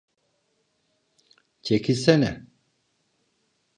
Çekilsene!